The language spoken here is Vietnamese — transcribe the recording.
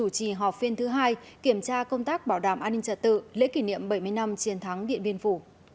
lễ kỷ niệm bảy mươi năm chiến thắng điện biên phủ